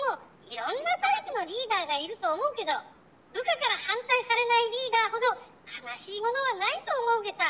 いろんなタイプのリーダーがいると思うけど部下から反対されないリーダーほど悲しいものはないと思うゲタ。